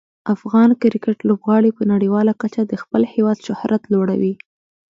افغان کرکټ لوبغاړي په نړیواله کچه د خپل هیواد شهرت لوړوي.